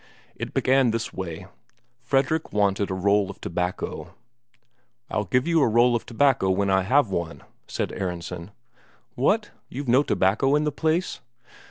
It began this way; Fredrik wanted a roll of tobacco. "I'll give you a roll of tobacco when I have one," said Aronsen. "What, you've no tobacco in the place?"